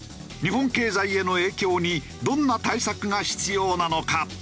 日本経済への影響にどんな対策が必要なのか？